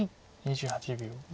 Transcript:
２８秒。